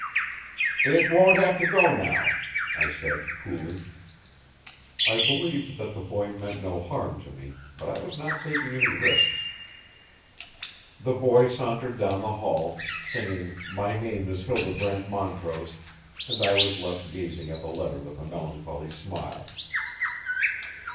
"It won't have to go now," I said coolly. I believed that the boy meant no harm to me, but I was not taking any risks. The boy sauntered down the hall, singing My Name Is Hildebrandt Montrose, and I was left gazing at the letter with a melancholy smile.